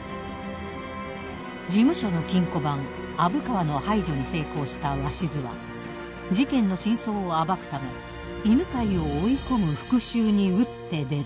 ［事務所の金庫番虻川の排除に成功した鷲津は事件の真相を暴くため犬飼を追い込む復讐に打ってでる。］